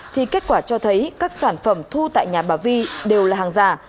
thì kết quả cho thấy các sản phẩm thu tại nhà bà vi đều là hàng giả